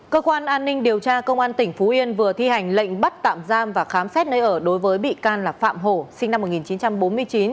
cơ quan an ninh điều tra công an tỉnh phú yên vừa thi hành lệnh bắt tạm giam và khám xét nơi ở đối với bị can là phạm hổ sinh năm một nghìn chín trăm bốn mươi chín